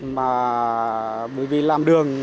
mà bởi vì làm đường